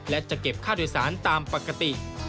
และจะเก็บค่าโดยสารตามปกติ